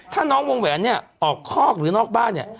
ถ้าน้องวงแหวนเนี่ยออกคอกหรือนอกบ้านเนี่ย